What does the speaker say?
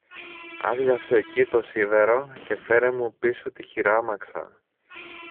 άδειασε εκει το σίδερο και φέρε μου πίσω τη χειράμαξα.